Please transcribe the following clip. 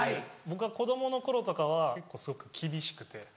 僕が子供の頃とかは結構すごく厳しくて。